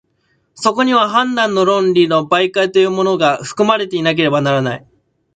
そこには判断論理の媒介というものが、含まれていなければならない。